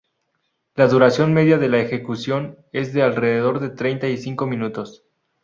La duración media de la ejecución es de alrededor de treinta y cinco minutos.